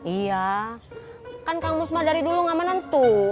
iya kan kang gus ma dari dulu nggak menentu